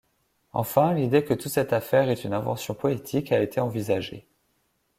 Enfin, l'idée que toute cette affaire est une invention poétique a été envisagée.